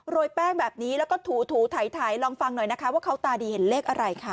ยแป้งแบบนี้แล้วก็ถูถ่ายลองฟังหน่อยนะคะว่าเขาตาดีเห็นเลขอะไรค่ะ